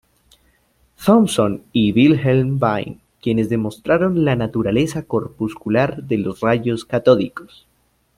Thomson y Wilhelm Wien, quienes demostraron la naturaleza corpuscular de los rayos catódicos.